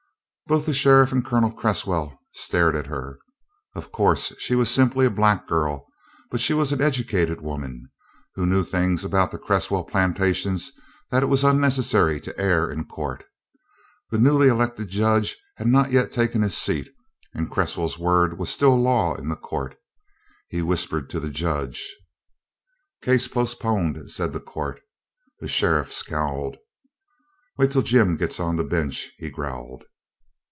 Both the sheriff and Colonel Cresswell stared at her. Of course, she was simply a black girl but she was an educated woman, who knew things about the Cresswell plantations that it was unnecessary to air in court. The newly elected Judge had not yet taken his seat, and Cresswell's word was still law in the court. He whispered to the Judge. "Case postponed," said the Court. The sheriff scowled. "Wait till Jim gets on the bench," he growled.